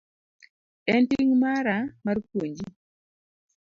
En ting' mara mar puonji.